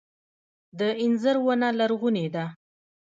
د انځر ونه لرغونې ده